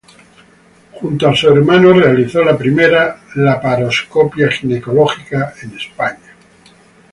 Junto a su hermano, realizó la primera laparoscopia ginecológica en España.